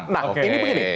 nah ini begini